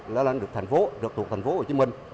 lên được thành phố được thuộc thành phố hồ chí minh